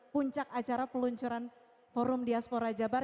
puncak acara peluncuran forum diaspora jabar